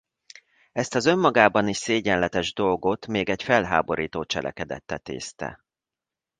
Ezt az önmagában is szégyenletes dolgot még egy felháborító cselekedet tetézte.